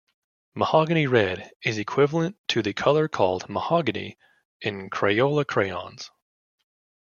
Mahogany red is equivalent to the color called "mahogany" in Crayola crayons.